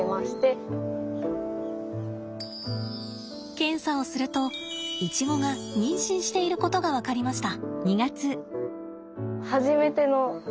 検査をするとイチゴが妊娠していることが分かりました。